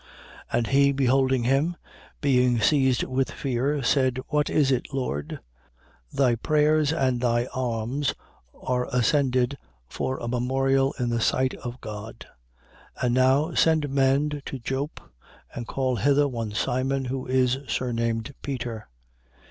10:4. And he, beholding him. being seized with fear, said: What is it, Lord? And he said to him: Thy prayers and thy alms are ascended for a memorial in the sight of God. 10:5. And now send men to Joppe: and call hither one Simon, who is surnamed Peter.